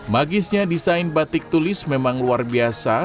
magisnya desain batik tulis memang luar biasa